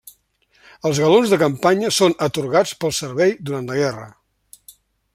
Els galons de campanya són atorgats pel servei durant la guerra.